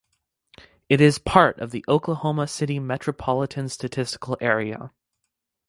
It is part of the Oklahoma City Metropolitan Statistical Area.